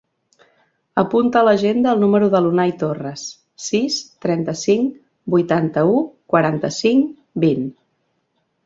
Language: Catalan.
Apunta a l'agenda el número de l'Unai Torres: sis, trenta-cinc, vuitanta-u, quaranta-cinc, vint.